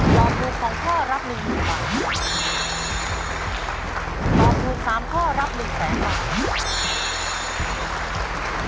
ตอบถูกสองข้อรับหนึ่งหมื่นบาทตอบถูกสามข้อรับหนึ่งแสนบาท